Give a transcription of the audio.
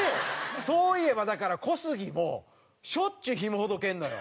そういえばだから小杉もしょっちゅうひもほどけんのよ。